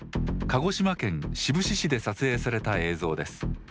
鹿児島県志布志市で撮影された映像です。